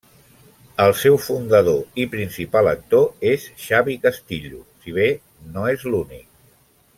El seu fundador i principal actor és Xavi Castillo, si bé no és l'únic.